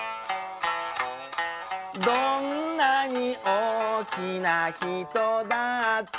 「どんなにおおきなひとだって」